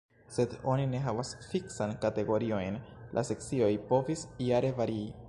Sed oni ne havas fiksan kategoriojn; la sekcioj povis jare varii.